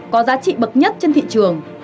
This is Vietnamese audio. có giá trị bậc nhất trên thị trường